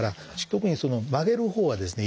特に曲げるほうはですね